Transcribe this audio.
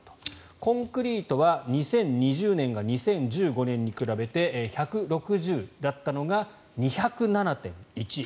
コンクリートは２０２０年が２０１５年に比べて１６０だったのが２０７．１。